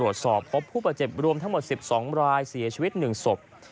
เจ็บรวมทั้งหมด๑๒รายเสียชีวิต๑ศพ